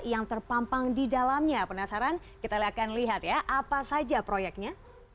yang terpampang di dalamnya penasaran kita akan lihat ya apa saja proyeknya